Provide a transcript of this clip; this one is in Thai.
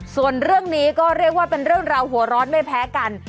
ส่วนเรื่องนี้ก็เรียกว่าเป็นเรื่องราวหัวร้อนไม่แพ้กัน